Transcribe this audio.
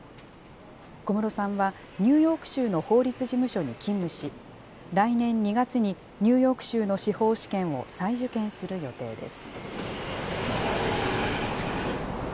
小室さんはニューヨーク州の法律事務所に勤務し、来年２月にニューヨーク州の司法試験を再受験する予定です。